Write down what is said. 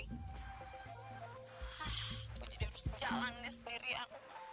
hah gua jadi harus jalan nih sendirian